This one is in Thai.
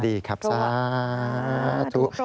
ดีครับสาธุ